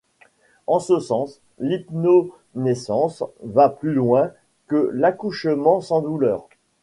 En ce sens, l'hypnonaissance va plus loin que l'accouchement sans douleur.